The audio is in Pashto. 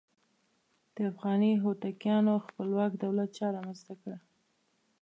د افغاني هوتکیانو خپلواک دولت چا رامنځته کړ؟